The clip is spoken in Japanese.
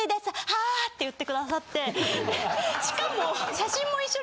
ハー。って言ってくださってしかも。